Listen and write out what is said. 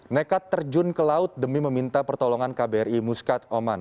nekat terjun ke laut demi meminta pertolongan kbri muskat oman